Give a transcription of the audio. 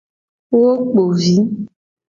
Wo kpo vi.